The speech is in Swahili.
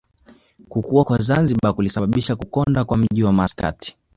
Kukua kwa Zanzibar kulisababisha kukonda kwa mji wa Maskat